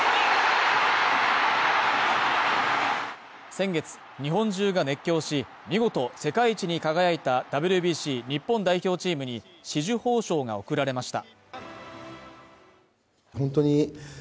先月、日本中が熱狂し、見事世界一に輝いたＷＢＣ日本代表チームに紫綬褒章が贈られました。